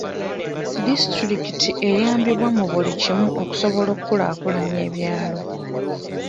Disitulikiti eyambiddwa mu buli kimu okusobola okukulaakulanya ebyalo.